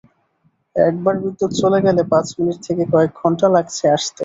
একবার বিদ্যুৎ চলে গেলে পাঁচ মিনিট থেকে কয়েক ঘণ্টা লাগছে আসতে।